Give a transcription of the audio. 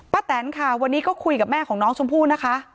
แตนค่ะวันนี้ก็คุยกับแม่ของน้องชมพู่นะคะ